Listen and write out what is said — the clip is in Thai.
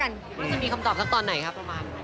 น่าจะมีคำตอบสักตอนไหนครับประมาณ